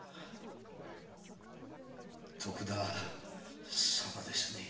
徳田様ですね？